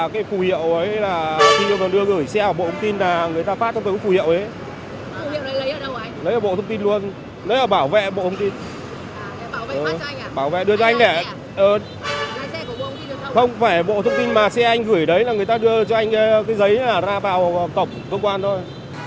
không phải bộ thông tin mà xe anh gửi đấy là người ta đưa cho anh cái giấy ra vào tổng cơ quan thôi